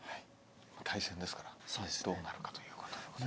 対戦ですからどうなるかということで。